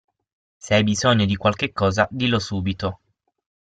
Se hai bisogno di qualche cosa dillo subito.